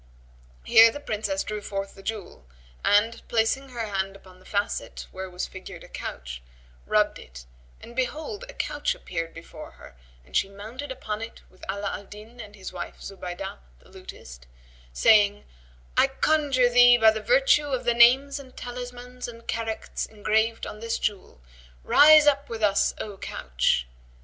Here the Princess drew forth the jewel and, placing her hand upon the facet where was figured a couch, rubbed it; and behold, a couch appeared before her and she mounted upon it with Ala al Din and his wife Zubaydah, the lutist, saying, "I conjure thee by the virtue of the names and talismans and characts engraver on this jewel, rise up with us, O Couch!"